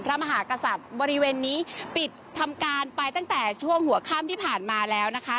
มหากษัตริย์บริเวณนี้ปิดทำการไปตั้งแต่ช่วงหัวค่ำที่ผ่านมาแล้วนะคะ